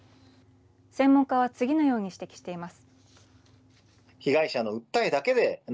専門家は次のように指摘しています。